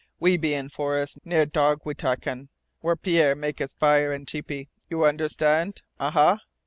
We be in forest near dog watekan, where Pierre mak his fire an' tepee. You understand? Aha?"